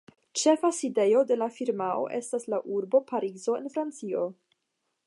Ĉefa sidejo de la firmao estas la urbo Parizo en Francio.